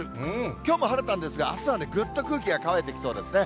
きょうも晴れたんですが、あすはぐっと空気が乾いてきそうですね。